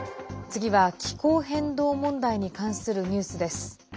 次は気候変動問題に関するニュースです。